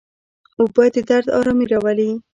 اوبه د درد آرامي راولي.